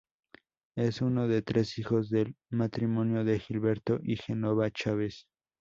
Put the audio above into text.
Es uno de tres hijos del matrimonio de Gilberto y Genoveva Chávez.